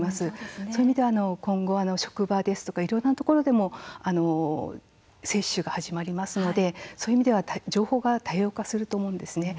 そういう意味では今後、職場やいろいろなところで接種が始まりますのでそういう意味では情報は多様化すると思います。